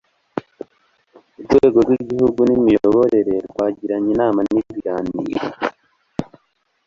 urwego rw'igihugu rw'imiyoborere rwagiranye inama n'ibiganiro